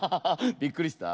びっくりした？